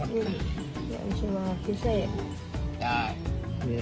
ดูสตามบี่